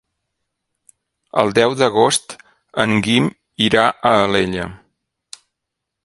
El deu d'agost en Guim irà a Alella.